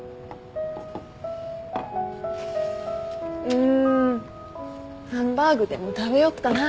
うんハンバーグでも食べよっかな。